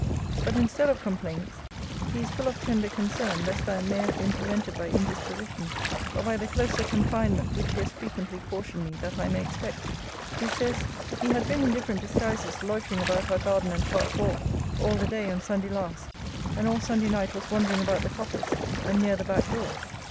But, instead of complaints, he is 'full of tender concern lest I may have been prevented by indisposition, or by the closer confinement which he has frequently cautioned me that I may expect.' He says, 'He had been in different disguises loitering about our garden and park wall, all the day on Sunday last; and all Sunday night was wandering about the coppice, and near the back door.